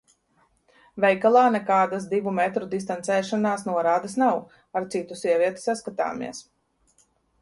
Veikalā nekādas divu metru distancēšanās norādes nav, ar citu sievieti saskatāmies.